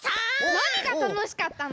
なにがたのしかったの？